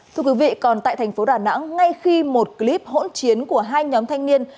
thưa quý vị còn tại thành phố đà nẵng ngay khi một clip hỗn chiến của hai nhóm thanh niên